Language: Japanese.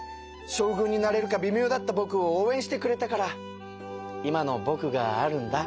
将軍になれるかびみょうだったぼくを応えんしてくれたから今のぼくがあるんだ。